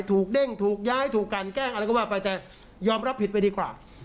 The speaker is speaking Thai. แต่ยอมรับผิดไปดีกว่า